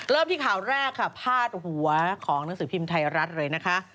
เริ่มที่ข่าวแรกค่ะพาดหัวของหนังสือพิมพ์ไทยรัฐเลยนะคะ